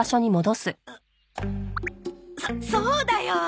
そそうだよ！